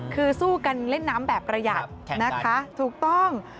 คือสู้กันเล่นน้ำแบบประหยัดนะคะถูกต้อง